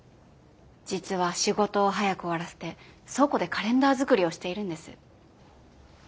実は仕事を早く終わらせて倉庫でカレンダー作りをしているんです。